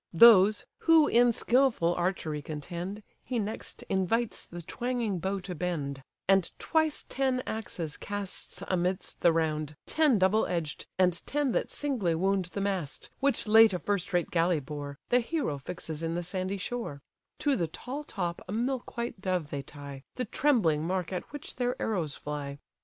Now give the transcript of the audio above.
Those, who in skilful archery contend, He next invites the twanging bow to bend; And twice ten axes casts amidst the round, Ten double edged, and ten that singly wound The mast, which late a first rate galley bore, The hero fixes in the sandy shore; To the tall top a milk white dove they tie, The trembling mark at which their arrows fly.